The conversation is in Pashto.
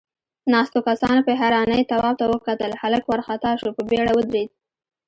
ناستو کسانوپه حيرانۍ تواب ته وکتل، هلک وارخطا شو، په بيړه ودرېد.